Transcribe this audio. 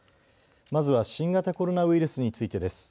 まずは新型コロナウイルスについてです。